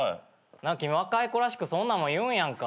君若い子らしくそんなんも言うんやんか。